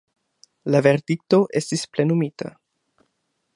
La verdikto estis plenumita.